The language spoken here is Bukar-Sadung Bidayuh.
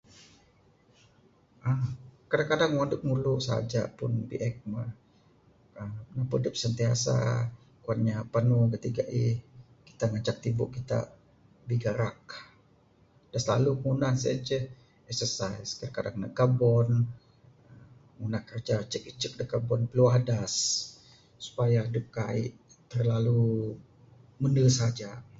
Kadang-kadang wang adep ngulu saja pun biek mah, napeh adep sentiasa, kuan inya panu gati gaih, kita ngancak tibu kita bigarak. Da silalu ku ngunah ne sien ceh exercise, kadang-kadang neg kabon, ngundah kiraja icek-icek dak kabon, piluah adas supaya adep kaik terlalu mende saja .